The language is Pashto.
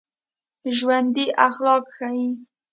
ژوندي اخلاق ښيي